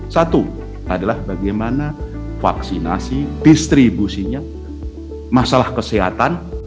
satu adalah bagaimana vaksinasi distribusinya masalah kesehatan